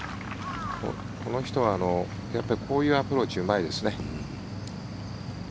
この人はこういうアプローチがうまいですね。